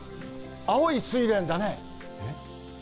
青いスイレンだね。